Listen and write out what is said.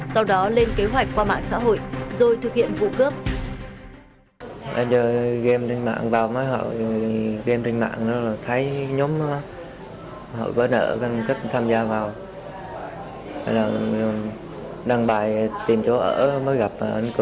sau đó lên kế hoạch qua mạng xã hội rồi thực hiện vụ cướp